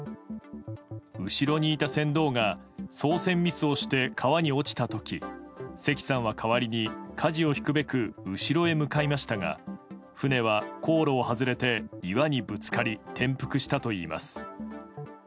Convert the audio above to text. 後ろにいた船頭が操船ミスをして川に落ちた時関さんは、代わりにかじを引くべく後ろへ向かいましたが船は航路を外れて岩にぶつかり転覆したといいます。